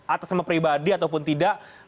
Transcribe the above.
atas nama pribadi ataupun tidak